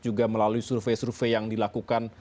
juga melalui survei survei yang dilakukan